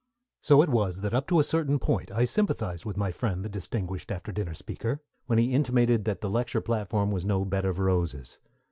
So it was that up to a certain point I sympathized with my friend the distinguished after dinner speaker when he intimated that the lecture platform was no bed of roses.